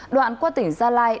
đoạn qua tỉnh gia lai